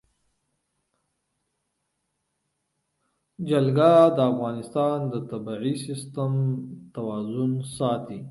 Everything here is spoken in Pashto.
جلګه د افغانستان د طبعي سیسټم توازن ساتي.